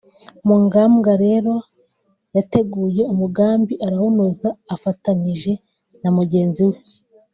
Mugambwa rero yateguye umugambi arawunoza afatanyije na mugenzi we